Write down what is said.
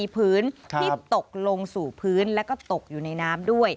พื้นที่ตกลงสู่พื้นแล้วก็ตกอยู่ในน้ำด้วย